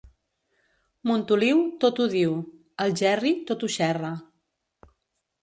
Montoliu, tot ho diu; Algerri, tot ho xerra.